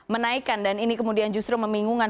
menaikkan dan ini kemudian justru membingungkan